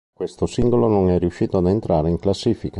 Questo singolo non è riuscito a entrare in classifica.